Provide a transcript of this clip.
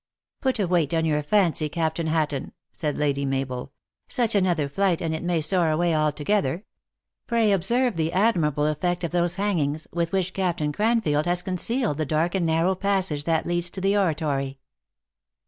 " Put a weight on your fancy, Captain Hatton," said Lady Mabel. " Such another flight and it may soar away altogether. Pray observe the admirable effect of those hangings, with which Captain Cran field has concealed the dark and narrow passage that leads to the oratory."